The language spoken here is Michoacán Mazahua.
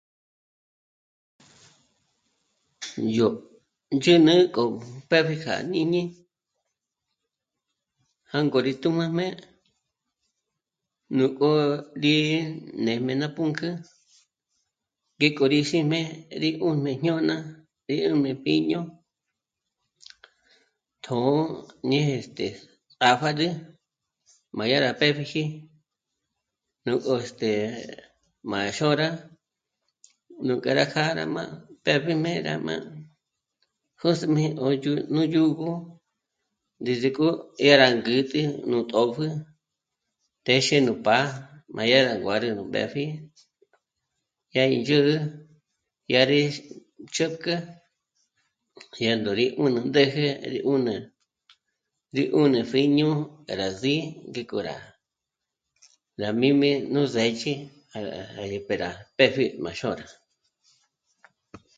Yó ndzhǚnü k'o pë́pjiji kja jñíni jângo rí tùjmujme nú k'o rí... né'mé ná pǔnk'ü ngék'o rí sí'me rí 'ùjme jñôna 'érebi pjíño, tjṓ'ō ñeje este... à pjâdül má dyá rá pë́pjiji nú ngó... este... má xôra nújk'a rá jâra má pë́pjijme rá má jö̂süjme nú dyú'ugö desde k'o 'e rá ngǚtü nú tòpjü téxe nú pá'a má dya rá nguárü nú mbèpji dyá rí ndzhügü dyá rí chäjk'ä jândo rí 'ùnü ndéje rí 'ùnü... ts'í 'ùnü pjíño k'a rá sí'i ngík'o rá... rá míjme nú sěchi ja yá mbépje rá pë́pji má xôra